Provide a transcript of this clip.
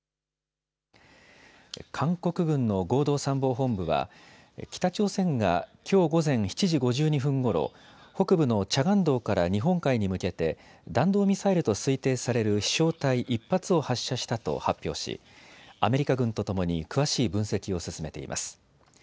韓国軍の合同参謀本部は北朝鮮がきょう午前７時５２分ごろ、北部のチャガン道から日本海に向けて弾道ミサイルと推定される飛しょう体１発を発射したと発表しアメリカ軍とともに詳しい分析を進めています。